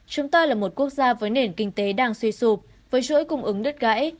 chúng ta là một quốc gia với nền kinh tế đang suy sụp với chuỗi cung ứng đứt gãy